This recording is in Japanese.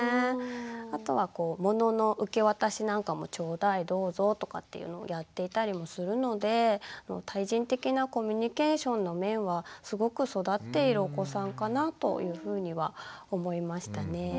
あとは物の受け渡しなんかも「ちょうだい」「どうぞ」とかっていうのをやっていたりもするので対人的なコミュニケーションの面はすごく育っているお子さんかなというふうには思いましたね。